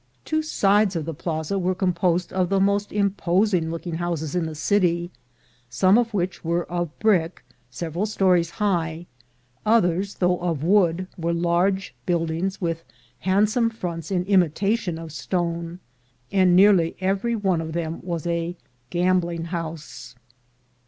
iTwo sides of the Plaza were composed of the most imposing looking houses in the city, some of which were of brick several stories high; others, though of wood, were large buildings with handsome fronts in imita tion of stone, and nearly every one of them was a gambling house.